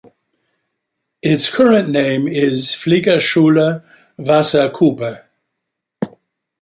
Its current name is "Fliegerschule Wasserkuppe".